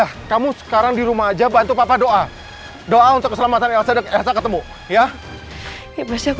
hai kamu sekarang di rumah aja bantu papa doa doa untuk keselamatan elsa ketemu ya ya pasti aku